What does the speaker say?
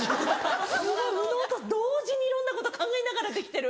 同時にいろんなこと考えながらできてる！